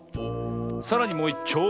さらにもういっちょう。